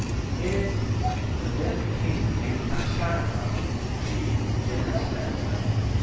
In it there lived a king named Lakshadatta, chief of gen erous men.